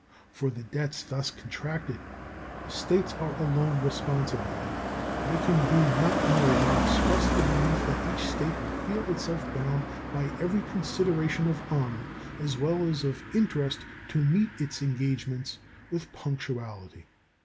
For the debts thus contracted the States are alone responsible. I can do not more than express the belief that each State will feel itself bound by every consideration of honor as well as of interest to meet its engagements with punctuality.